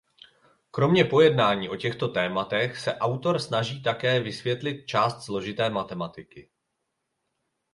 Kromě pojednání o těchto tématech se autor snaží také vysvětlit část složité matematiky.